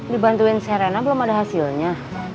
dibantuin serena belum ada hasilnya